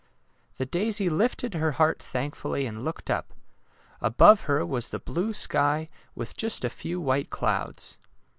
The daisy lifted her heart thankfully and looked up. Above her was the blue sky, with just a few white clouds.